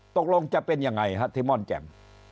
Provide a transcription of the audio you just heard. ตกลงจะเป็นยังไงฮะที่ม่อนแจ่ม